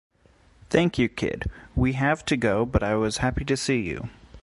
Thank you kid, we have to go but I was happy to see you.